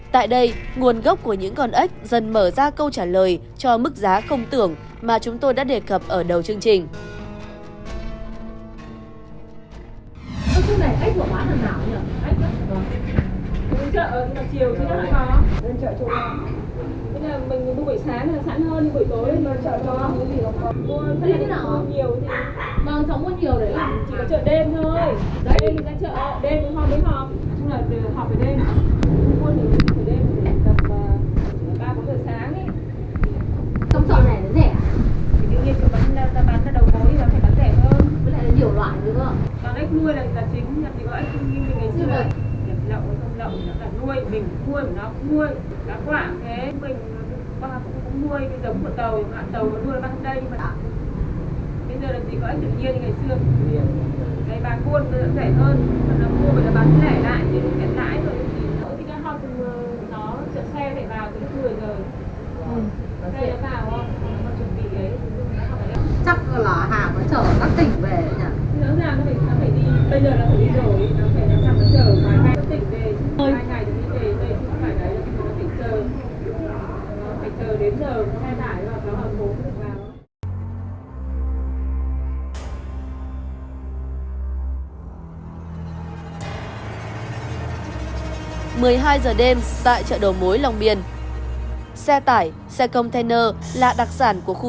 tại đây nguồn gốc của những con ếch dần mở ra câu trả lời cho mức giá không tưởng mà chúng tôi đã đề cập ở đầu chương trình